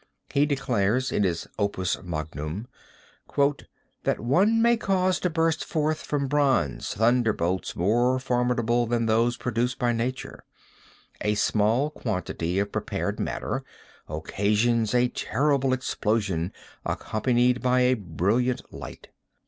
He declares in his Opus Magnum: "That one may cause to burst forth from bronze, thunderbolts more formidable than those produced by nature. A small quantity of prepared matter occasions a terrible explosion accompanied by a brilliant light.